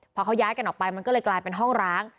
พอเขาย้ายกันออกไปมันก็เลยกลายเป็นห้องร้าง